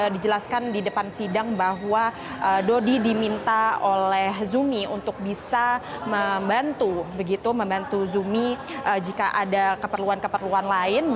dijelaskan di depan sidang bahwa dodi diminta oleh zumi untuk bisa membantu begitu membantu zumi jika ada keperluan keperluan lain